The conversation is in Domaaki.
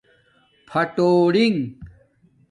پھاٹُونگ